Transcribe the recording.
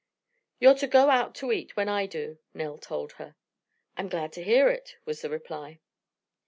"You're to go out to eat when I do," Nell told her. "I'm glad to hear it," was the reply.